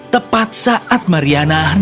tepat saat mariana menemukan pangeran